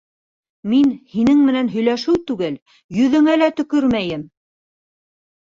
Мин һинең менән һөйләшеү түгел, йөҙөңә лә төкөрмәйем.